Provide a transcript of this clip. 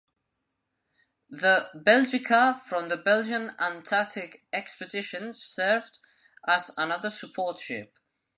The "Belgica" from the Belgian Antarctic Expedition served as another support ship.